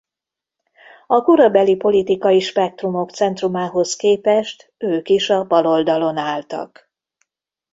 A korabeli politikai spektrumok centrumához képest ők is a baloldalon álltak.